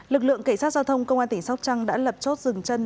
lực lượng cảnh sát giao thông công an tỉnh sóc trăng đã lập chốt rừng chân